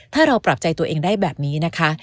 ถ้าเราปรับใจตัวเองได้แบบนี้นะคะ